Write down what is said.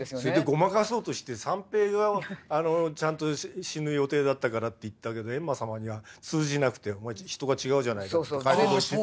ごまかそうとして三平がちゃんと死ぬ予定だったからっていったけどえんま様には通じなくてお前人が違うじゃないかって。